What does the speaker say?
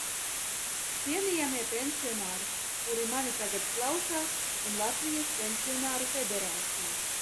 Cienījamie pensionāri, kuri mani tagad klausās, un Latvijas Pensionāru federācija!